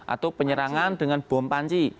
atau penyerangan dengan bom panci